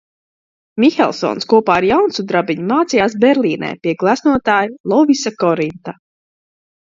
Mihelsons kopā ar Jaunsudrabiņu mācījās Berlīnē pie gleznotāja Lovisa Korinta.